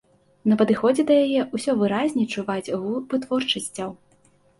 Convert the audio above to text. На падыходзе да яе ўсё выразней чуваць гул вытворчасцяў.